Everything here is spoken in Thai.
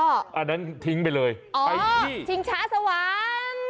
อันนั้นทิ้งไปเลยไปชิงช้าสวรรค์